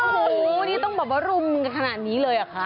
โอ้โหนี่ต้องบอกว่ารุมขนาดนี้เลยอ่ะค่ะ